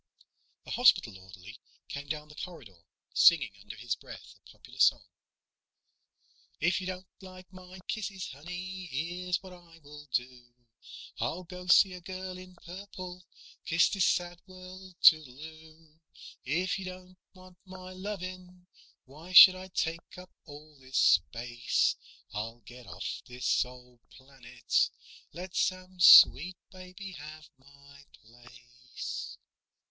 A hospital orderly came down the corridor, singing under his breath a popular song: If you don't like my kisses, honey, Here's what I will do: I'll go see a girl in purple, Kiss this sad world toodle oo. If you don't want my lovin', Why should I take up all this space? I'll get off this old planet, Let some sweet baby have my place.